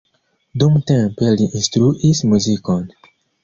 Dumtempe li instruis muzikon.